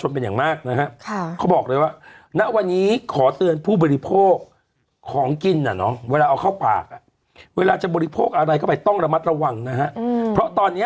เป็นกระแส